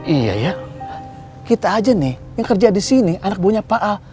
iya ya kita aja nih yang kerja disini anak buahnya pak al